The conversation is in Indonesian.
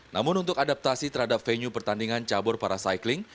namun untuk adaptasi terhadap venue pertandingan cabur para cycling